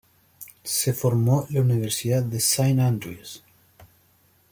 Se formó en la Universidad de Saint Andrews.